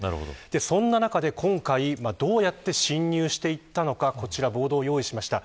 そんな中で今回どうやって侵入していったのかこちらボードを用意しました。